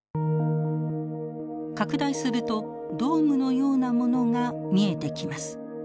拡大するとドームのようなものが見えてきます。